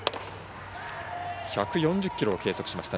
１４０キロを計測しました。